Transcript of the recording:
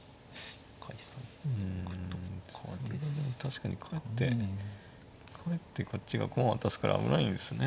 そこら辺確かにかえってかえってこっちが駒を渡すから危ないんですね。